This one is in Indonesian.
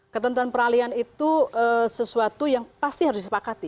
ketentuan peralihan itu sesuatu yang pasti harus disepakati